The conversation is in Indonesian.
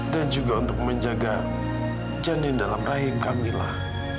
dan juga untuk menjaga jendin dalam rahim kamilah